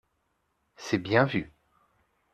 C’est bien vu